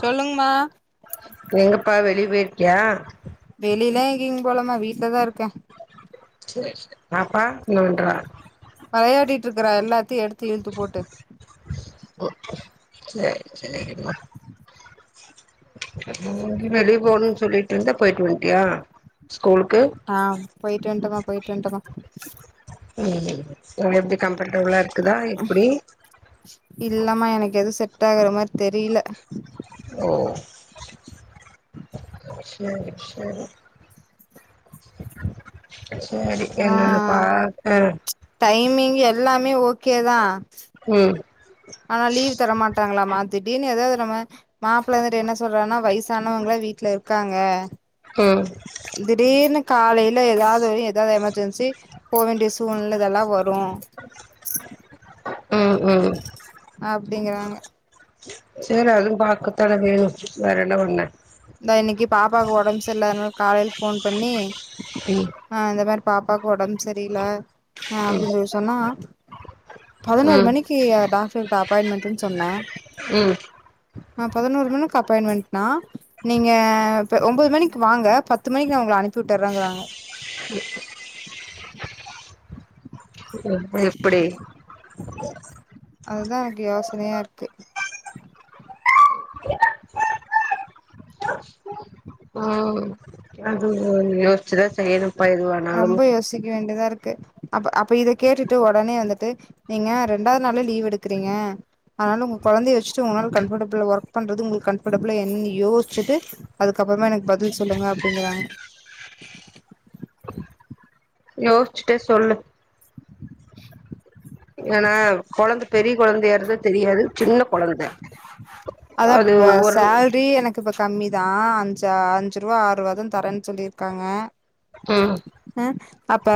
சொல்லுங்மா எங்கப்பா வெளி போயிருக்கியா வெளிலா எங்கீயும் போலாம வீட்லதான் இருக்கேன் பாப்பா என்ன பண்றா வெளயாடிட்டு இருக்கறா எல்லாத்தையும் எடுத்து இழுத்து போட்டு சரி சரிமா எங்கியோ வெளிய போவுணும்னு சொல்லிட்டு இருந்தா போயிட்டு வண்ட்டியா ஆ போயிட்டு வன்ட்டமா போயிட்டு வன்ட்டமா ம் ம் எப்டி கம்ஃபர்டபுளா இருக்குதா எப்படி த்தாகற மாரி தெரியில ம் செரி செரி செரி ஏன்னா என்னன்னு பாக்க டைமிங் எல்லாமே ஓகே தான் ம் ஆனா லீவ் தர மாட்டாங்களாம திடிர்னு எதாவது நம்ம மாப்பிள்ள இருந்துட்டு என்ன சொல்றான்னா வயசானவங்கள வீட்ல இருக் காங்க ம் திடீர்னு காலையில எதாவது ஒரு எதா எமர்ஜென்சி போ வேண்டிய சூழ்நிலை இதெல்லாம் வரு ரும் ம் ம் டிங்கிறாங்க சரி அதுவும் பாக்கத்தான வேணும் வேற என்ன பண்ணே இந்தா இன்னைக்கு பாப்பாவுக்கு ஒடம்பு சர்ல அதனால காலையில் போன் பண்ணி ம் ஆ இந்த மாரி பாப்பாக்கு ஒடம்பு சரியில்ல ஆ அப்டின் சொல்லி சொன்னா பதினோரு ம் மணிக்கு டாக்டர்ட்ட அப் பாயின்மெண்ட்டுன்னு சொன்னன் ம் நா பதினோரு மணிக்கு அப்பாயின்மெண்ட்னா நீங்க இப்ப ஒன்பது மணிக்கு வாங்க பத்து மணிக்கு நான் உங்கள அனுப்பி உட்டறங்கிறாங்க சோ எப்படி அதுதான் எனக்கு யோசனையா இருக்கு [unintelligible] ஹ அது யோசதா ச ரொம்ப யோசிக்க வேண்டியதா இருக்கு அப்ப அப்ப இத கேட்டுட்டு உடனே வந்துட்டு நீங்க ரெண்டாவது நாாள லீவ் எடுக்கறீங்க அதனால உங்க குழந்தைய வச்சுட்டு உங்களால கம்ஃபர்டபிளா ஒர்க் பண்றது உங்களுக்கு கம்ஃபர்டபிளா என் யோசிச்சுட்டு அதுக்கப்புறமா எனக்கு பதில் சொல்லுங்க அப்படிங்கறாங்க யோசிச்சுட்டே சொல்லுங்க [unintelligible] ஏன்னா குழந்த பெரிய குழந்தைய ஏறது தெரியாது சின்ன குழந்தை அதா அது இப்ப ஒரு சேல்ரி எனக்கு இப்ப கம்மி தான் அஞ்சு அஞ்சு ரூபா ஆறு ரூபா தான் தரேன்னு சொல்லியிருக்காங்க ம் அஹ் அப்ப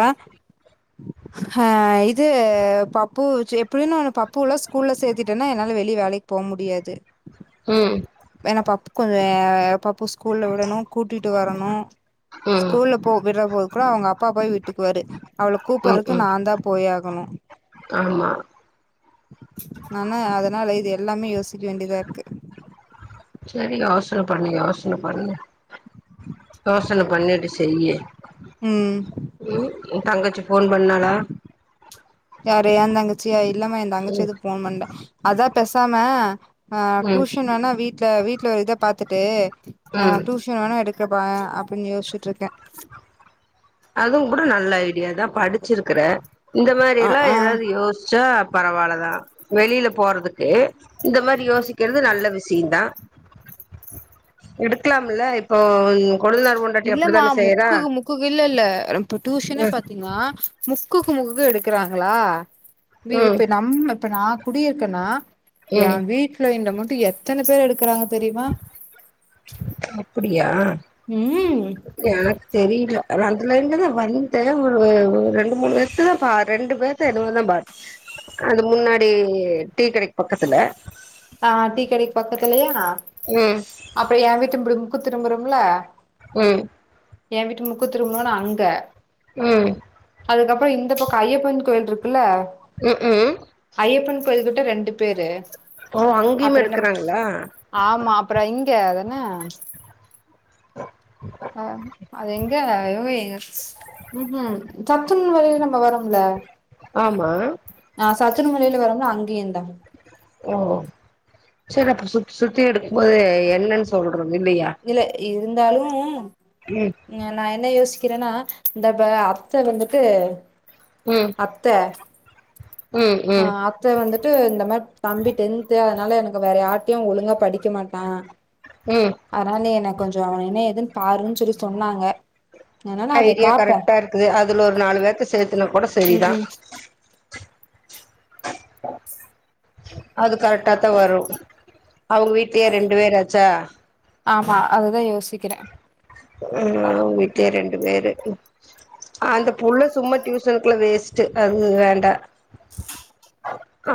ஆஹ் இது பப்பு எப்படின்னு ஒ பப்புல்லாம் ஸ்கூல்ல சேர்த்திட்டு என்னா என்னால வெளிய வேலைக்கு போக முடியாது ம் வேணப்பா கொஞ்சம்ப்ப ஸ்கூல்ல விடணும் கூட்டிட்டு வரும் ஆமா ம் ஸ்கூல்ல போ விற போகுமஹங கூட அவங்க அப்பா போய் வீட்டுக்குவரு அவ்ள ம் கூப்பிடறக்கு ம் நான் தான் போயாகணும் ஆமா ஆனா அதனால இது எல்லாமே யோசிக்க வேண்டியதா இருக்கு சரி யோசனை பண்ணி யோசனை பண்ணு தோசனை பண்ணிட்டு செய்யேன் உம் தங்கச்சு யார அந்த தங்கச்சியா இல்லாம எ தங்கச்சிய ம் எது போகண மாேன் அதான் பெசாம ஆஹ் ம் டியூஷன் வேணா வீடல வீல ஒரு இதை பாரத்துட்டு தே ஆஹ் ம் டியூஷன் வேணும் எடுக்க இரு பாயன் அப்படின்னு யோசிச்சுட்டு இருக்கேன் அதுவும் கூட நல்ல ஐடியா இந்த மாதிரி ஆ எல்லாம் ஆ ஏதாவது யோசிச்சா பரவாலதான் வெளியில போறதுக்கு இந்த மாதிரி யோசிக்கிறது நல்ல விஷயம்தான் எடுக்கலாம்ல இப்போ கொழுந்துனர் பொண்டாட்டி இல்லமா அப்படித்தான செய்யறா முக்குக்கு முக்குக்கு இல்ல இல்லப்ப டியூசனே ம் பாத்தீங்கன்னா [unintelligible] ம் ப்ப நம்ம இப்ப நான் குடியிருக்கேன்னா ம் என் வீட்டு்ல இந்த ம எத்தனை பேர் எடுக்கறாங்க தெரியுமா அப்படியா உம் தெரியல ரெண்டு லைன் தான் வந்தேன் ஒரு ரெண்டு மூணு பேர்த்ததான் பா ரெண்டு பே்த்த பே தான் பாரு அந்த முன்னாடி டீ கடைக்கு பக்கத்துல ஆஹ் டீக்கடைக்கு பக்கத்துலயா ம் அப்புறம் ஏ வீட்ட மு திரும்புறம்ல உம் எ வீட்டு முக்கூ திரும்புறோம்ல்ல அங்க ம் அதுக்கப்புறம் இந்தப்பக்கம் ஐயப்பன் கோயில் இருக்கு குல உம் உம் கோயில்கிட்டகிட்ட ரெண்டு பேரு அங்கேயுமே அப்புறம் எடுக்கறாங்களா ஆமா அப்புறம் இங்க என்ன அஹ் அது எங்க ம் ஹம் சத்துருமலவழியா நம்ம வரோம்ல ஆமா ஆஹ் சத்துருமலையில வரோம்ல அங்கேர்ந்த ஓ சரி அப்ப சு சுத்தி எடுக்கும் போது என்னன்னு சொல்ற இல்லையா இருந்தாலும் ம் [unintelligible] என்ன யோசிக்கிறேன்னா இந்த அத்தை வந்துட்டு ம் அத்த ம் ம் ஆஹ் அத்த வந்து ட்டு இந்த மாதிரி தம்பிட்டு எந்த அதனால எனக்கு வேற யாருட்டயும் ஒழுங்கா படிக்க மாட்டான் ம் அற ந எனக்கு கொஞ்சம் அவன் என்ன எதுன்னு பாருன்னு சொல்லி சொன்னாங்க அதனால அத ஐடியா பாப்போ கரெக்டா இருக்குது அதுல ஒரு நாலு பேர்த்த சேத்துனா கூட சரிதான் அது கரெக்டா தான் வரும் அவங்க வீட்லயே ரெண்டு பேராச்சா இரு கிற அவங்க வீட்லயே ரெண்டு பேரு அந்த புள்ள சும்மா டியூசனுக்குள்ள வேஸ்ட்டு அது வேண்டாம்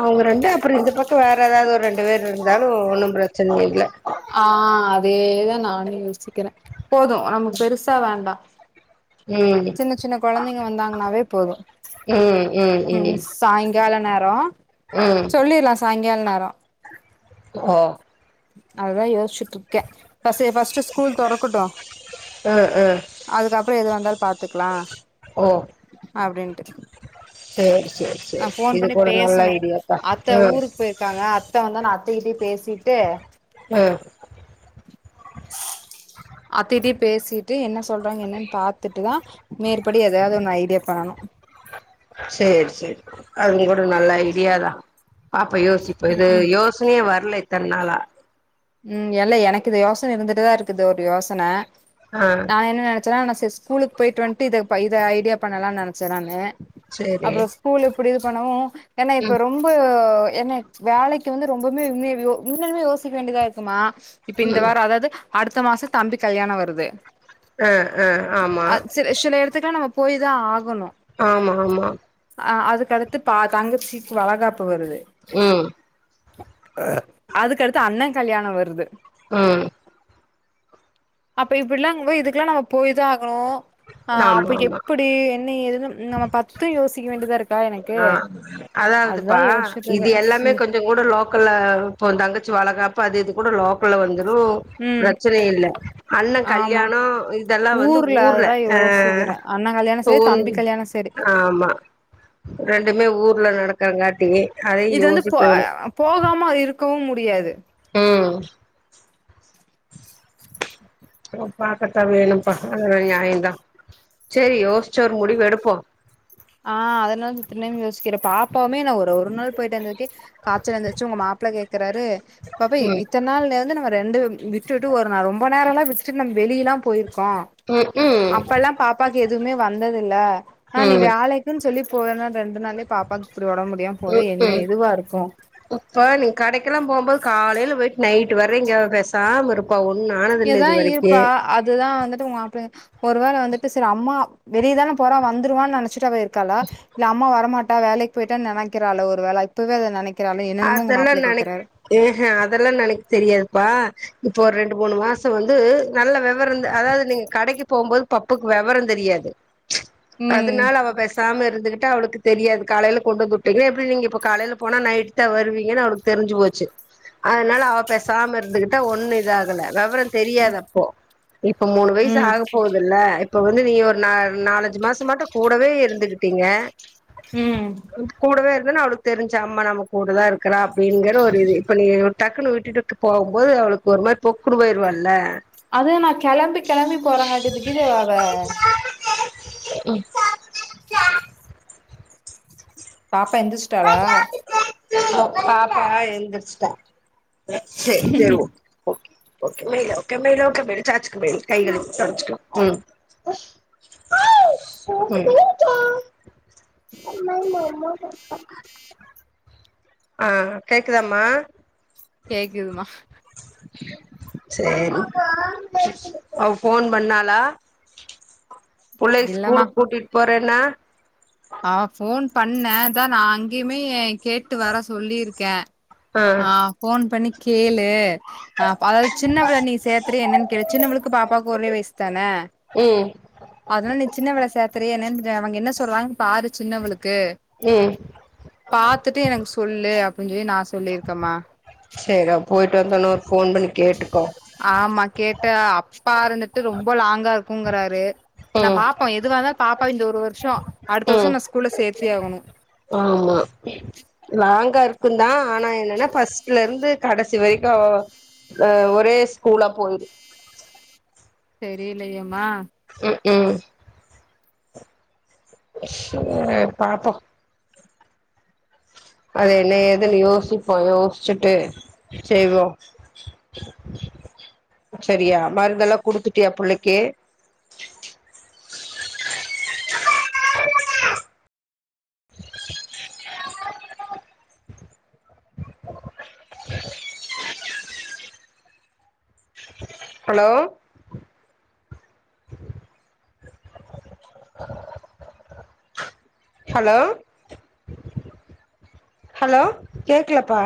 அவங்க ரெண்டு அப்புறம் இந்த பக்கம் வேற ஏதாவது ஒரு ரெண்டு பேர் இருந்தாலும் ஒன்னும் பிரச்சனை இல்ல ஆஹ் அதேதான் நானும் யோசிக்கிறேன் போதும் நமக்கு பெருசா வேண்டாம் ம் சின்ன சின்ன குழந்தைங்க வந்தாங்கன்னாவே போதும் ம் ம் உம் ம் சாயங்கால நேரம் ம் சொல்லிரலாம் சாயங்காலே தரம் ஆஹ அததான் யோசுச்சு இருக்கேன் பஸ்ட் ஸ்கூல் தறக்கட்டும் ம் ம் அதுக்கப்புறம் எது வந்தாலும் பா கத்துக்கலாம் ஓ அப்படின்னு [inaudible] உம் ஆ போன் பண்ணி பேசணும் அத்தை ம் ஊருக்கு போயிருக்காங்க அத்தை வந்தான அ தடி பேசிட்டு உம் அத்திட்ட பேசிட்டு என்ன சொல்றாங்க என்னன்னு பார்த்துட்டு தான் மேற்படி எதாவது ஒன்னு ஐடியா பணும் சரி சரி அது கூட நல்ல ஐடியாதான் யோசிப்ப ம் இது ம் யோசனையே வரல தன்னால ம் எல்ல எனக்கு இது யோசனை இருந்துட்டுதா இருக்குது ஒரு யோசனை ஆ நா என்ன நெனச் சன நா ச ஸ்கூலுக்கு போயிட்டு வன்ட்டு இத இத ஐடியா பண்ணலா நெனைச்சே நானு சேரி அப்புற ஸ்கூல்லுக் அப்டி இது பண்ணவு ஏன்னா இப்ப ம் ரொம்ப என்ன வேலைக்கு வந்து ரொம் [unintelligible] முன்னம யோசிக்க க்குமா இப்ப இந்த ம் வார அதாவது அடுத்த மாச தம்பிக் கல்யாண வருது து ஆ ஆ ஆமா சில எடத்துக்குலா நம்ம போய் தா ஆகணு ஆமா ஆமா அ அதுக்கடுத்து பா தங்கச்சிக்கு வலகாப் பு வருது ம் அ அதுக்கடுத்து அண்ண கல்யாண வருது ம் அப்ப இப்டிலா இங்க போய இதுக்கெல்லா நம்ம போயுதா ஆ னு ஆ ஆமா அப்ப ஆமா எப்டி என்ன ஏதுன்னு நம்ம பத்து யோசிக்க வேண்டியதா இருக் ஆ அதாவதுப்பா இது யோசிச்சுட்ருக்கே எல்லாமே ம் கொஞ்ச கூட லோக்கல்ல இப்போ தங்கச்சி வளகாப் ப்பு பாதி இது கூட லோக்கல்ல வந்து ப்ரோ ம் பிரச்சனை இல்ல அண்ண ஆமா கல்யாண இதெல்லா வந்து ஊர்ல அதுதா ஆ யோசிக்கிறே அண்ண கல்யாணோ உ செரி தம்பி கல்யாணோ செரி ஆமா ரெண்டுமே ஊர்ல நடக்கிறங்காட்டி இது வந்து போ அ போகாம அது இருக் கோவு முடியாது ம் [inaudible] பாக்கத்தா வேணும்ப்பா அத நியாயதா செரி யோசிச்சு ஒரு முடிவு எடுப்போ ஆ அதன என்னனு யோசிக்கிறே பாப்பாவுமே நா ஒ ஒரு நாள் போயிட்டு வந்ததுக்கே காச்சல் வந்துருச்சு உங்க மாப்பிளை கேட்கறாரு பா ம் இத்தன நாள்ல இருந்து நம்ம ரெண்டு விட்டு விட்டு ஒரு. நா ரொம்ப நேரல்லா விட்டுட்டு வெளியல்லா போயி பா ம் ம் அப்பல்லா பாப்பாக்கு எதுவுமே வந்தத இல்ல நான் இப் ம் ன்ன சொி போவேன்னா அதனாலே பாப்பாவுக்கு இப்படி உடம்ப முடியும் போத ம் என்ன ம் எதுவா இருக்கும் இப்ப நீ கடைக்கெல்லா போம்போது காலையில போய்டிட்டு நைட்டு் வர்ற இங்க விசாம இருக்கும் இங்கதா இருப்பா அதுதான் வந்துட்டு உங்க மாப்ள ஒருவேளை வந்துட்டு சரி அம்மா வெளியதானே போறா வந்துருவான்னு நினச்சிட்டு அவ க்கா இல்ல அம்மா வரமாட்டா வேலைக்கு போயட்டு நனைக்கிறால ஒரு வேல இப்பவே அதை நனக்க அதெல்லாம் நனக்கு ஹ ஹ அதெல்லாம் எனக்கு தெரியாதுப்பா இப்போ ஒரு ரெண்டு மூணு மாசம் வந்து நல்ல விவரம் அதாவது நீங்க கடைக்கு போகும்போது பப்புக்கு விவரம் தெரியாது ம் அதனால அவ பேச பேசாம இருந்துகிட்டு அவுளுக்கு தெரியாது காயில கொண்டுந்துட்டீங்க எப்டி நீங்க இப்ப காலயில போனா நைட் வருவீங்கு அவுளுக்கு தெரிஞ்சு போச்சு அதனால அவ பே சாம இருந்துகிட்ட ஒண்ணு இத ஆகல விவர தெரியாத அப்போ இப்ப மூணு வயசு ம் ஆக போகுதுல்ல இப்போ வந்து நீ ஒரு ந நாலஞ்சு மாசம்மாட்ட கூடவே இருந்துகிட்டீங்க ம் கூடவே அவுளுக்கு தெரிஞ்சு அம்மா நமக்கு கூடுதா இருக்கிறா அப்டிங்கற ஒரு இது இப்ப நீ டக்குனு விட்டு போகும்போது அவுளுக்கு ஒரு மாதிரி பொக்குனு போயிடுவா இல்ல அது நா கெளம்பி கெளம்பி போறங்காட்டிதுக்கு இது அவ உம் பாப்பா எந்திரச்சிட்டாளா பாப்பா எழுந்திரச்சுட்ட செரி-செரி ஓ ஓகே மே மலகே-மலகே மே சாச்சுக்கு கைகள சச்ச ஹா கேக்குதாம கேக்குதுமா செரி அவ போன் பண்ணாளா பிள்ளை ஸ்கூலு கூட்டிட்டு போற னா ஹா போன் பண்ணேன் நா அங்கேயுமே கேட்டு வர சொல்லியிருக்கேன் ஆ ஆஹ போன் பண்ணி கேளு ஹ அதாவது சின்ன விளை நீ சேரத்துற என்னன்னு கேளு சின்னவளுக்கு பாப்பாக்கு ஓரே வயசு தானே ம் அதல்லா நீ சின்ன விள சே செரிய என் அவுங்க என்ன சொல்லுவாங்க பாரு சின்னவளு உம் பாத்துட்டு எனக்கு சொல்லு அப்டின்னு சொல்லி ந சொல்லிருக்கே மா செரி போயிட்டு வந்த உன்னுன ஒரு போன் பண்ணி கேட்டுக்கோ ஆமா கேட்ட அப்பா இருந்துட்டு ரொம்ப லாங்கா இருக்குங்கறாரு நா ம் பாபப்பேம் எது வந்தா பாப்பா இந்த ஒரு வருஷம் அடுத்த வருஷம் ம் நான் ஸ்கூல்ல சேர்த்தி ஆகணும் ஆமா லாங்கா இருக்கும்தா ஆனா என்னன்னா பஸ்ட்ல இருந்து கடைசி வரைக்கும் அஹ் ஒரே ஸ்கூலா போயிரு தெரியலையம்மா உம் சரி பாப்போம் அதை என்ன ஏதுன்னு யோசிப்போம் யோசிச்சுட்டு செய்வோம் செரியா மருந்தெல்லாம் குடுத்துட்டியா பிள்ளைக்கு [unintelligible] ஹலோ ஹலோ ஹலோ கேக்கலப்பா